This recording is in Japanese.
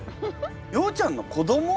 ようちゃんの子ども？